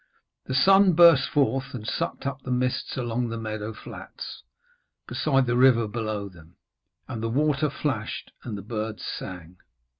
The sun burst forth, and sucked up the mists along the meadow flats beside the river below them, and the water flashed and the birds sang.